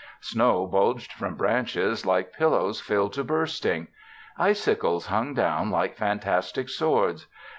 Snow bulged from branches like pillows filled to bursting. Icicles hung down like fantastic swords.